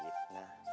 kamar lu ah